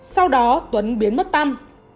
sau đó tuấn biến mất tâm